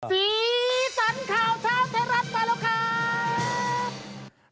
สีสันข่าวเช้าไทยรัฐมาแล้วครับ